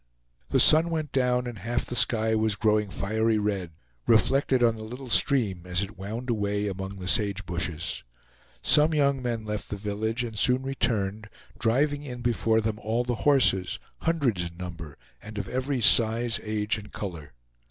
The sun went down and half the sky was growing fiery red, reflected on the little stream as it wound away among the sagebushes. Some young men left the village, and soon returned, driving in before them all the horses, hundreds in number, and of every size, age, and color.